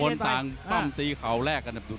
หรือว่าผู้สุดท้ายมีสิงคลอยวิทยาหมูสะพานใหม่